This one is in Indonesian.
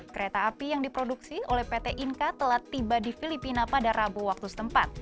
kereta api yang diproduksi oleh pt inka telah tiba di filipina pada rabu waktu setempat